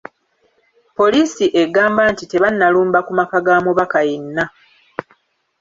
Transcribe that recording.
Poliisi egamba nti tebannalumba ku maka ga mubaka yenna.